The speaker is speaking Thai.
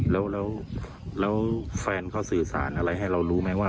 แล้วแฟนเขาสื่อสารอะไรให้เรารู้ไหมว่า